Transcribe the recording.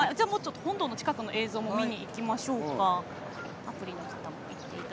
本堂の近くの映像も見ましょうか。